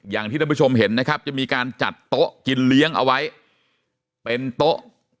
อย่างที่ท่านผู้ชมเห็นนะครับจะมีการจัดโต๊ะกินเลี้ยงเอาไว้เป็นโต๊ะ